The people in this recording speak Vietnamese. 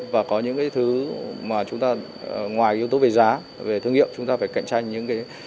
và có những thứ ngoài yếu tố về giá về thương hiệu